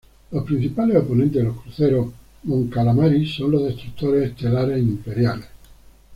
Los principales oponentes de los cruceros mon calamari son los destructores estelares imperiales.